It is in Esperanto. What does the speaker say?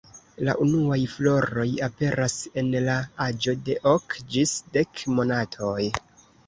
La unuaj floroj aperas en la aĝo de ok ĝis dek monatoj.